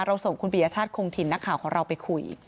ส่งคุณปียชาติคงถิ่นนักข่าวของเราไปคุย